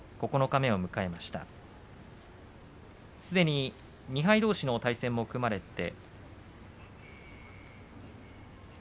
すでに２敗どうしの対戦が組まれました。